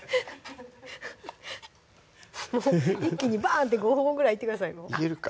もう一気にバンって５本ぐらいいってくださいよいけるか？